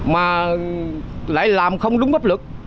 mà lại làm không đúng bác lực